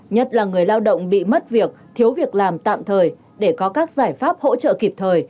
nhất là người lao động bị mất việc thiếu việc làm tạm thời để có các giải pháp hỗ trợ kịp thời